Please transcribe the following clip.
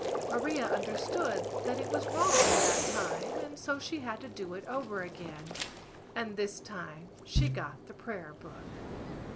Maria understood that it was wrong that time and so she had to do it over again: and this time she got the prayer book.